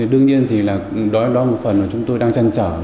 đương nhiên đó là một phần mà chúng tôi đang trăn trở